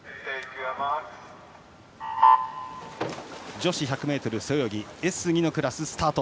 女子１００ｍ背泳ぎＳ２のクラス、スタート。